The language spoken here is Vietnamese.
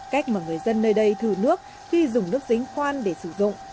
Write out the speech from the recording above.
cách mà người dân nơi đây thử nước khi dùng nước dính khoan để sử dụng